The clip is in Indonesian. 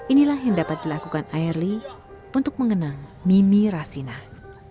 inilah yang dapat dilakukan airly untuk mengenang mimi rasinah